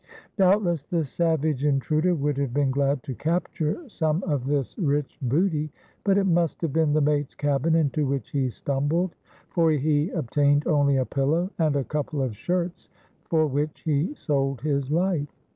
Doubtless the savage intruder would have been glad to capture some of this rich booty; but it must have been the mate's cabin into which he stumbled, for he obtained only a pillow and a couple of shirts, for which he sold his life.